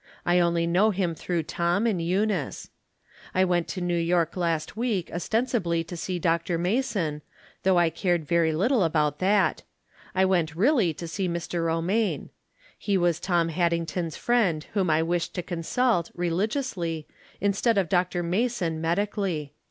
I only know him through Tom and Eunice. I went to New York last week os tensibly to see Dr. Mason, though I cared very little about that. I went really to see Mr. Ro maine. It was Tom Haddington's friend whom I wished to consult, religiously, instead of Dr. Mason, medically.